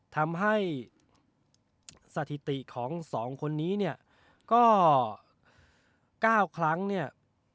ทำให้สถิติของ๒คนนี้เนี่ยก็๙ครั้งเนี่ย